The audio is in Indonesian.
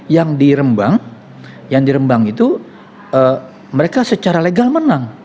yang di rembang yang di rembang itu mereka secara legal menang